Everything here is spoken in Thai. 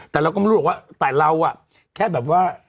แต่เราก็ไม่รู้ว่าแต่เราแค่แบบว่า